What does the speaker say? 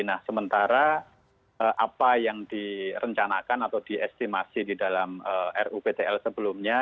nah sementara apa yang direncanakan atau diestimasi di dalam ruptl sebelumnya